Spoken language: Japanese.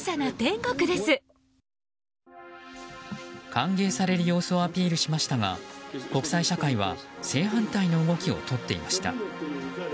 歓迎される様子をアピールしましたが国際社会は正反対の動きをとっていました。